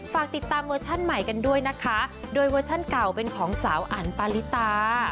ฝากติดตามเวอร์ชั่นใหม่กันด้วยนะคะโดยเวอร์ชั่นเก่าเป็นของสาวอันปาลิตา